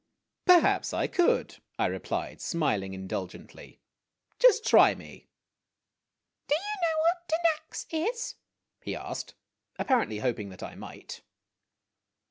"Perhaps I could," I replied, smiling indulgently. "Just try me." "Do you know what dnax is?" he asked, apparently hoping that I miyfht.